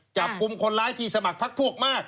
จับกลุ่มคนร้ายที่สมัครพักพวกมาก